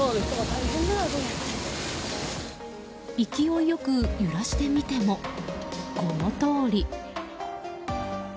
勢いよく揺らしてみてもこのとおり。